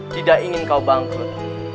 tidak ingin kau bangkrut